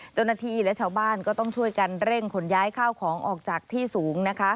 เจ้าหน้าที่และชาวบ้านก็ต้องช่วยกันเร่งขนย้ายข้าวของออกจากที่สูงนะคะ